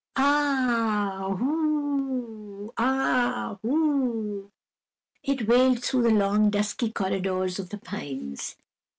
"Ah h o o o oo, Ah h o o o oo," it wailed through the long dusky corridors of the pines.